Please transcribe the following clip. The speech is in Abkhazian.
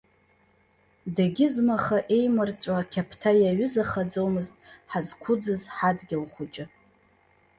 Дегьызмаха еимырҵәо ақьаԥҭа иаҩызахаӡомызт ҳазқәыӡыз ҳадгьыл хәыҷы.